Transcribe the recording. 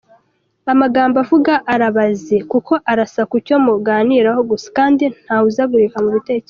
Amagambo avuga arabaze, kuko arasa ku cyo muganiraho gusa, kandi ntahuzagurika mu bitekerezo.